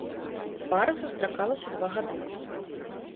Пара сустракалася два гады.